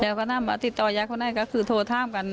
เดี๋ยวพนันติดต่อยักษ์เขาหน้าก็คือโทรท่ามกัน